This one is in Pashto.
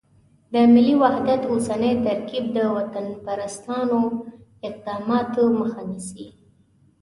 د ملي وحدت اوسنی ترکیب د وطنپرستانه اقداماتو مخه نیسي.